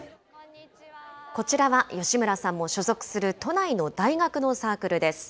こちらは吉村さんも所属する、都内の大学のサークルです。